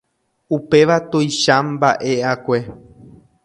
Upéva tuichamba'e'akue.